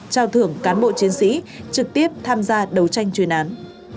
trao thưởng cán bộ chiến sĩ trực tiếp tham gia đấu tranh chuyên án